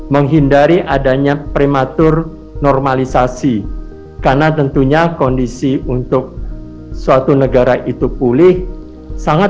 menghindari adanya prematur normalisasi karena tentunya kondisi untuk suatu negara itu pulih sangat